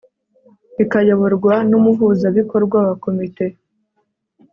ikayoborwa n Umuhuzabikorwa wa Komite